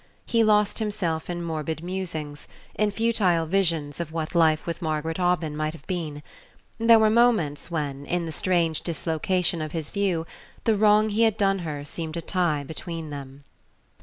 He lost himself in morbid musings, in futile visions of what life with Margaret Aubyn might have been. There were moments when, in the strange dislocation of his view, the wrong he had done her seemed a tie between them.